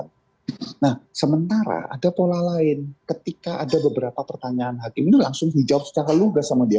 nah sementara ada pola lain ketika ada beberapa pertanyaan hakim itu langsung dijawab secara lugas sama dia